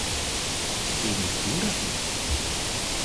Eben ging das noch.